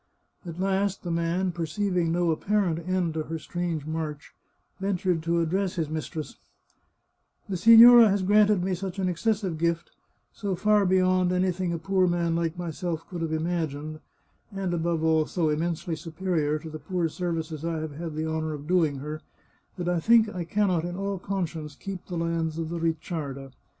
At last the man, perceiving no apparent end to her strange march, ventured to address his mistress :" The signora has granted me such an excessive gift, so far beyond anything a poor man like myself could have im agined, and above all so immensely superior to the poor serv ices I have had the honour of doing her, that I think I can not, in all conscience, keep the lands of the Ricciarda.